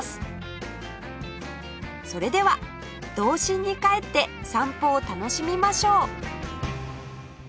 それでは童心に帰って散歩を楽しみましょう